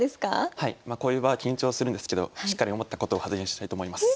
まあこういう場は緊張するんですけどしっかり思ったことを発言したいと思います。